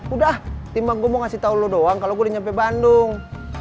udah timbang gue mau ngasih tau lo doang kalau gue udah nyampe bandung